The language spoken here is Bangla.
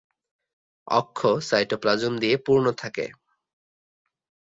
অক্ষ সাইটোপ্লাজম দিয়ে পূর্ণ থাকে।